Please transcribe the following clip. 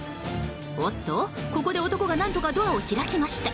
おっと、ここで男が何とかドアを開きました。